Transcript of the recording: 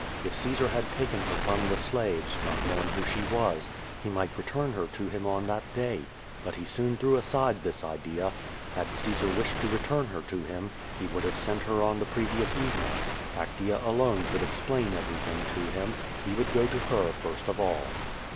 If Caesar had taken her from the slaves, not knowing who she was, he might return her to him on that day. But he soon threw aside this idea. Had Caesar wished to return her to him, he would have sent her on the previous evening. Actea alone could explain everything to him. He would go to her first of all.